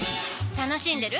楽しんでる？